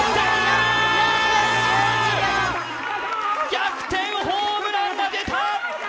逆転ホームランが出た！